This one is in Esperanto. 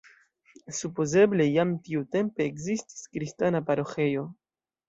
Supozeble jam tiutempe ekzistis kristana paroĥejo.